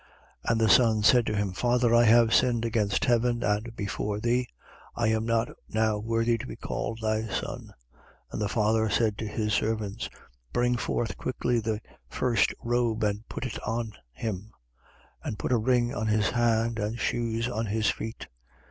15:21. And the son said to him: Father: I have sinned against heaven and before thee I am not now worthy to be called thy son. 15:22. And the father said to his servants: Bring forth quickly the first robe and put it on him: and put a ring on his hand and shoes on his feet.